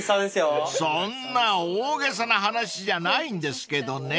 ［そんな大げさな話じゃないんですけどね］